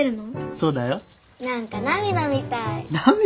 そうだよ。何か涙みたい。涙？